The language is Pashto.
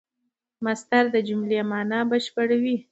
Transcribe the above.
مصدر د جملې مانا بشپړوي.